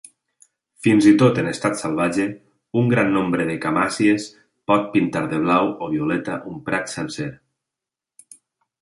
Fins i tot en estat salvatge, un gran nombre de camàssies pot pintar de blau o violeta un prat sencer.